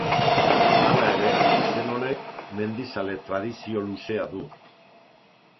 Hala ere, izen honek, mendizale tradizio luzea du.